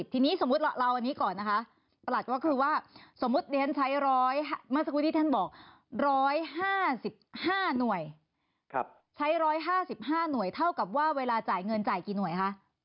ทีนี้สมมติเราเอาอันนี้ก่อนนะคะสมมติเดนใช้๑๕๕หน่วยเท่ากับเวลาจ่ายเงินจ่ายกี่หน่วยคะ